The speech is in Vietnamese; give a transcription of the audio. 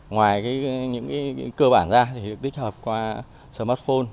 ngoài những cơ bản ra thì được tích hợp qua smartphone